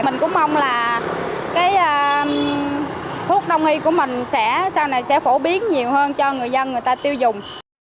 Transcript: mình cũng mong là cái thuốc đông y của mình sẽ sau này sẽ phổ biến nhiều hơn cho người dân người ta tiêu dùng